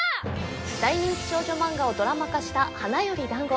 大人気少女マンガをドラマ化した「花より男子」